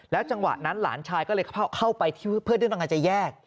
จังหวะนั้นหลานชายก็เลยเข้าไปที่เพื่อนที่ต้องการจะแยก